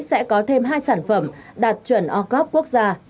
sẽ có thêm hai sản phẩm đạt chuẩn ô cốt quốc gia